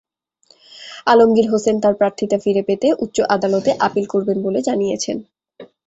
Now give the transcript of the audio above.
আলমগীর হোসেন তাঁর প্রার্থিতা ফিরে পেতে উচ্চ আদালতে আপিল করবেন বলে জানিয়েছেন।